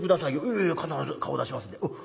「ええ必ず顔出しますんで」。